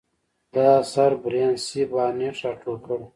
دا اثر بریان سي بارنټ راټول کړی.